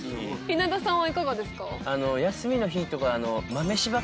稲田さんはいかがですか？